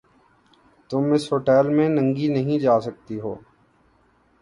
تم اِس ہوٹیل میں ننگی نہیں جا سکتی ہو۔